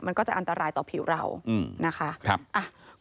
มันก็จะอันตรายต่อผิวเรานะคะ